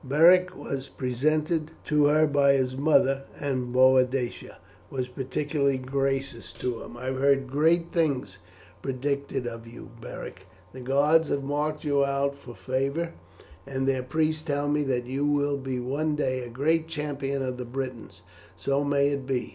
Beric was presented to her by his mother, and Boadicea was particularly gracious to him. "I have heard great things predicted of you, Beric. The gods have marked you out for favour, and their priests tell me that you will be one day a great champion of the Britons. So may it be.